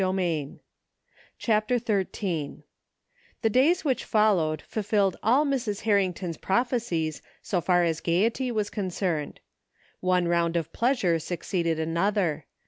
165 CHAPTER Xiri The days which followed fulfilled all Mrs. Har rington's prophecies so far as gaiety was concerned. One round of pleasure sulcceeded another.